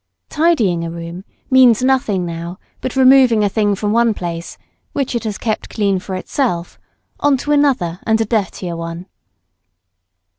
Tidying a room means nothing now but removing a thing from one place, which it has kept clean for itself, on to another and a dirtier one.